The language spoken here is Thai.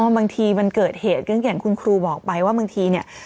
บางทีมันเกิดเหตุก็อย่างคุณครูบอกไปว่าบางทีเนี่ย